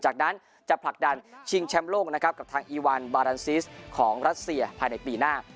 จากนั้นจะผลักดันชิงแชมป์โลกนะครับกับทางอีวันบารันซิสของรัสเซียภายในปีหน้า